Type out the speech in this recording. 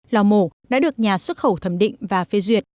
lò mổ đã được nhà xuất khẩu thẩm định và phê duyệt